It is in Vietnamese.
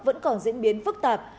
vẫn còn diễn biến phức tạp